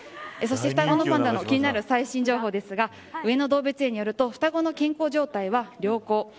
そして、双子のパンダの最新情報ですが上野動物園によると双子の健康状態は良好。